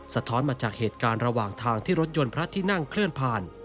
ท้อนมาจากเหตุการณ์ระหว่างทางที่รถยนต์พระที่นั่งเคลื่อนผ่าน